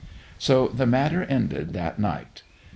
So the matter ended that night.